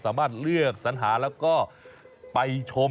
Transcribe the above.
สามารถเลือกสัญหาแล้วก็สำหรับแล้วก็ไปชม